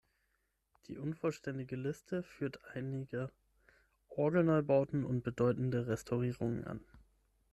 Die unvollständige Liste führt einige Orgelneubauten und bedeutende Restaurierungen an.